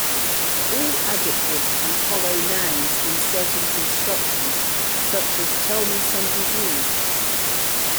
All adjectives can follow nouns in certain constructions, such as "tell me something new".